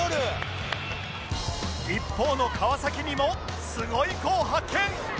一方の川崎にもすごい子を発見！